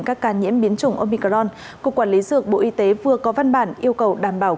các ca nhiễm biến chủng opicron cục quản lý dược bộ y tế vừa có văn bản yêu cầu đảm bảo